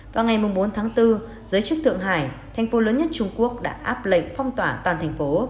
vào ngày bốn tháng bốn giới chức thượng hải thành phố lớn nhất trung quốc đã áp lệnh phong tỏa toàn thành phố